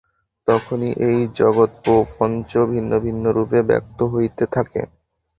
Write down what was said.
তখনই এই জগৎপ্রপঞ্চ ভিন্ন ভিন্ন রূপে ব্যক্ত হইতে থাকে।